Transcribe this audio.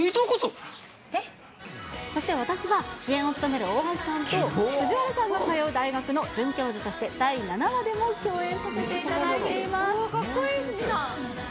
そして私は、主演を務める大橋さんと、藤原さんが通う学校の准教授として、第７話でも共演させていただかっこいい鷲見さん。